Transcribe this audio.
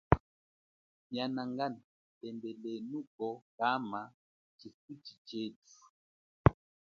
Mianangana lembelenuko kama chifuchi chethu.